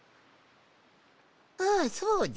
ああそうじゃ